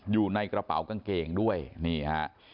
อยู่ในกระเป๋ากางเกงด้วยนี่ฮะ